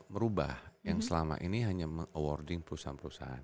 merubah yang selama ini hanya mengawarding perusahaan perusahaan